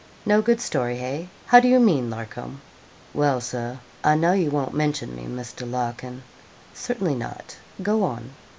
'No good story hey? How do you mean, Larcom?' 'Well, Sir, I know you won't mention me, Mr. Larkin.' 'Certainly not go on.'